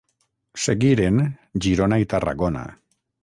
Seguiren Girona i Tarragona.